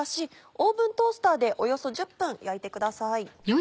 オーブントースターでおよそ１０分焼いてください。